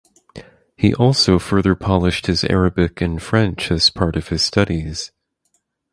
He also further polished his Arabic and French as part of his studies.